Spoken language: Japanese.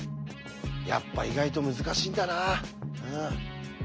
やっぱ意外と難しいんだなうん。